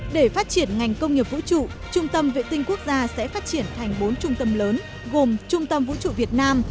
để phát triển ngành công nghiệp vũ trụ trung tâm vệ tinh quốc gia sẽ phát triển thành bốn trung tâm lớn gồm trung tâm vũ trụ việt nam